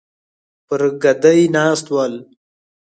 پر ګدۍ ناست ول.